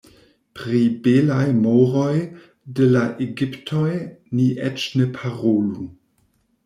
Pri belaj moroj de la egiptoj ni eĉ ne parolu.